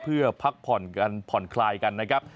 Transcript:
เพื่อพักผ่อนกันผ่อนคลายกันนะครับ